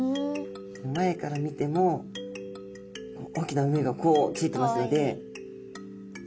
前から見ても大きな目がこうついてますので。